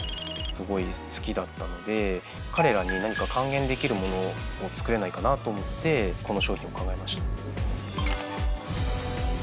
彼らに還元できるものを作れないかなと思ってこの商品を考えました。